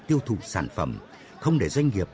tiêu thụ sản phẩm không để doanh nghiệp